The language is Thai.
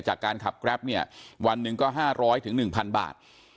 จากการขับแกรปเนี่ยวันหนึ่งก็๕๐๐๑๐๐บาท